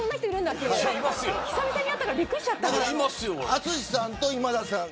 淳さんと今田さん